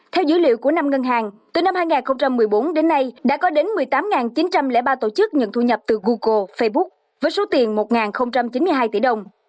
theo dữ liệu của năm ngân hàng từ năm hai nghìn một mươi bốn đến nay đã có đến một mươi tám chín trăm linh ba tổ chức nhận thu nhập từ google facebook với số tiền một chín mươi hai tỷ đồng